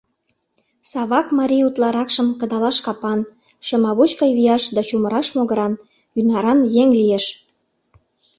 Савак марий утларакшым кыдалаш капан, шымавуч гай вияш да чумыраш могыран, ӱнаран еҥ лиеш.